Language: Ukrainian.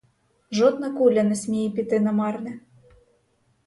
Жодна куля не сміє піти намарне.